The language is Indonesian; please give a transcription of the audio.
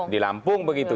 di lampung begitu